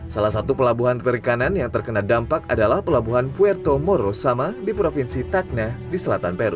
salah satu pelabuhan perikanan yang terkena dampak adalah pelabuhan puerto morosama di provinsi takna di selatan peru